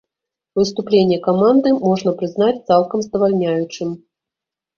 Выступленне каманды можна прызнаць цалкам здавальняючым.